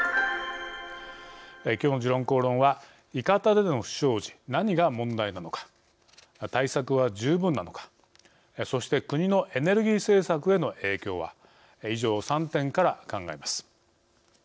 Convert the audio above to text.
きょうの「時論公論」は伊方での不祥事何が問題なのか対策は十分なのかそして国のエネルギー政策への影響は以上、３点から考えます。